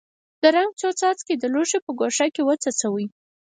د رنګ څو څاڅکي د لوښي په ګوښه کې وڅڅوئ.